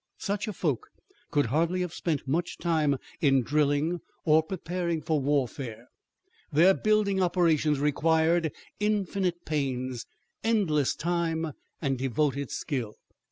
Such a folk could hardly have spent much time in drilling or preparing for warfare. Their building operations required infinite pains, endless time, and devoted skill.